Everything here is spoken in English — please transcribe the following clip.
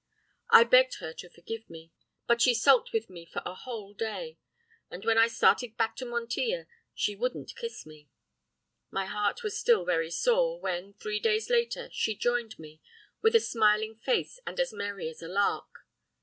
I begged her to forgive me, but she sulked with me for a whole day, and when I started back to Montilla she wouldn't kiss me. My heart was still very sore, when, three days later, she joined me with a smiling face and as merry as a lark.